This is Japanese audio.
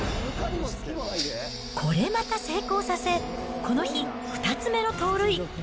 これまた成功させ、この日２つ目の盗塁。